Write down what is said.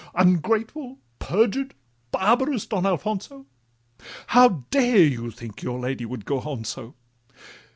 Ungrateful, perjured, barbarous Don Alfonso, How dare you think your lady would go on so?